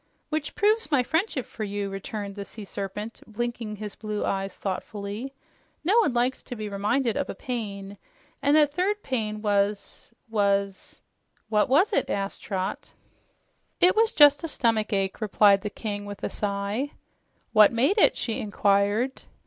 "Which proves my friendship for you," returned the Sea Serpent, blinking his blue eyes thoughtfully. "No one likes to be reminded of a pain, and that third pain was was " "What was it?" asked Trot. "It was a stomach ache," replied the King with a sigh. "What made it?" she inquired.